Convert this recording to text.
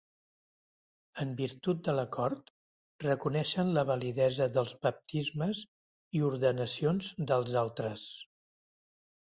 En virtut de l'acord, reconeixen la validesa dels baptismes i ordenacions dels altres.